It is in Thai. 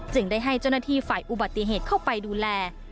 ได้ให้เจ้าหน้าที่ฝ่ายอุบัติเหตุเข้าไปดูแล